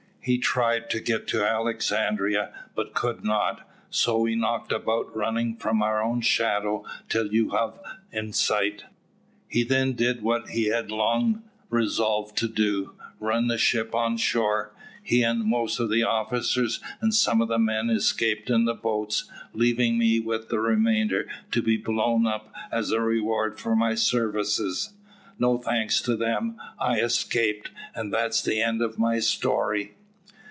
He tried to get to Alexandria but could not, so we knocked about running from our own shadow till you hove in sight. He then did what he had long resolved to do, ran the ship on shore. He and most of the officers and some of the men escaped in the boats, leaving me with the remainder to be blown up as a reward for my services. No thanks to them I escaped, and that's the end of my story."